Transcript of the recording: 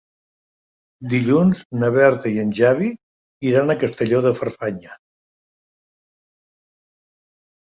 Dilluns na Berta i en Xavi iran a Castelló de Farfanya.